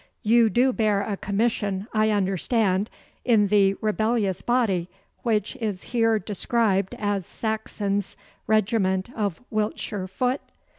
You do bear a commission, I understand, in the rebellious body which is here described as Saxon's regiment of Wiltshire Foot?